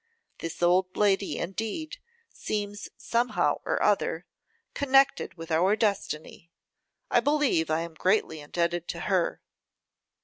This old lady indeed seems, somehow or other, connected with our destiny. I believe I am greatly indebted to her.